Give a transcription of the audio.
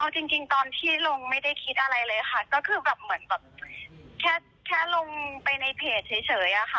เอาจริงตอนที่ลงไม่ได้คิดอะไรเลยค่ะก็คือแบบเหมือนแบบแค่แค่ลงไปในเพจเฉยอะค่ะ